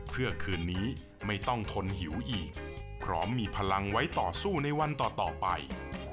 เพื่อคืนนี้ไม่ต้องทนหิวอีกพร้อมมีพลังไว้ต่อสู้ในวันต่อไป